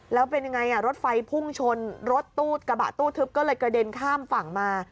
แล้วเป็นยังไงรถไฟพุ่งชนรถตู้กระบะตู้ทึบก็เลยกระเด็นข้ามฝั่งมา